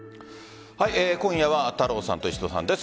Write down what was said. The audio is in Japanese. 今夜は太郎さんと石戸さんです。